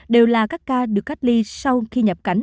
đều là các ca được cách ly sau khi nhập cảnh